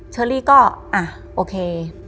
เชอรี่ก็อ่ะโอเค